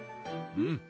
うん